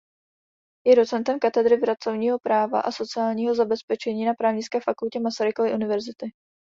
Je docentem katedry pracovního práva a sociálního zabezpečení na Právnické fakultě Masarykovy univerzity.